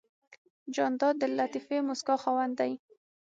جانداد د لطیفې موسکا خاوند دی.